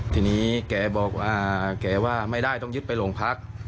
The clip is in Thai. ทีนี้แกบอกว่าแกว่าไม่ได้ต้องยึดไปโรงพัก